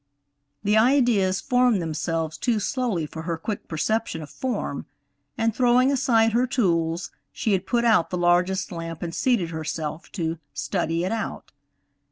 The ideas formed themselves too slowly for her quick perception of form, and, throwing aside her tools, she had put out the largest lamp and seated herself to "study it out."